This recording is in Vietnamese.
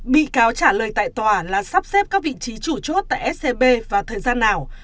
bị cáo trả lời tại tòa là sắp xếp các vị trí chủ chốt tại scb vào thời gian nào